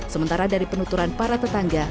sementara dari penuturan para tetangga